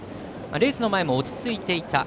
レースの前も落ち着いていた。